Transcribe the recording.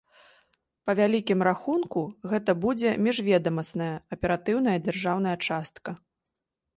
Па вялікім рахунку, гэта будзе міжведамасная аператыўная дзяжурная частка.